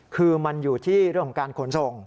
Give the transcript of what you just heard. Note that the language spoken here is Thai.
คือมันอยู่ที่เรื่องของการขนส่ง